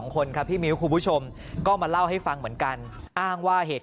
คนครับพี่มิ้วคุณผู้ชมก็มาเล่าให้ฟังเหมือนกันอ้างว่าเหตุ